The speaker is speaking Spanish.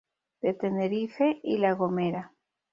De Tenerife y La Gomera.